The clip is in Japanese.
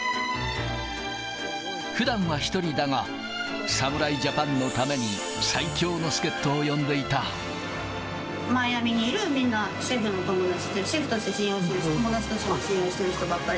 ふだんは１人だが、侍ジャパンのために、マイアミにいるみんな、シェフの友達で、シェフとしても信用しているし、友達としても信用してる人ばっかり。